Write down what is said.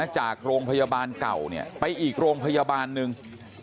จากโรงพยาบาลเก่าไปอีกโรงพยาบาลหนึ่ง